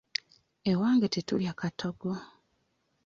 Ewange tetulya katogo.